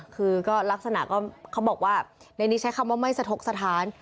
คือก็ลักษณะก็เขาบอกว่าในนี้ใช้คำว่าไม่สะทกสถาน